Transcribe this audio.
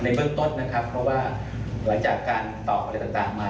เบื้องต้นนะครับเพราะว่าหลังจากการตอบอะไรต่างมา